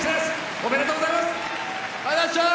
おめでとうございます。